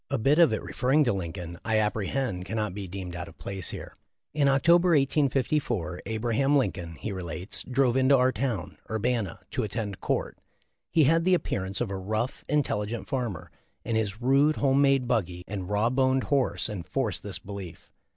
A bit of it, referring to Lincoln, I apprehend, cannot be deemed out of place here. "In October, 1854, Abraham Lincoln," he relates, "drove into our town (Urbana) to attend court. He had the appearance of a rough, intelligent farmer, and his rude, home made buggy and raw boned horse enforced this belief.